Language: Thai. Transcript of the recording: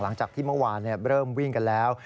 หลังจากที่เมื่อวานเริ่มวิ่งกันแล้ว